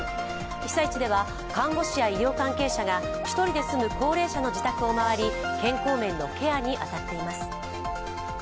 被災地では看護師や医療関係者が１人で住む高齢者の自宅をまわり健康面のケアに当たっています。